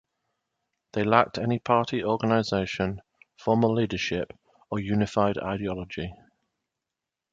They lacked any party organisation, formal leadership, or unified ideology.